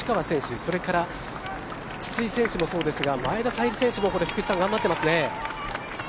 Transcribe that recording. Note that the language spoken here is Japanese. それから筒井選手もそうですが前田彩里選手もこれ、福士さん頑張ってますね。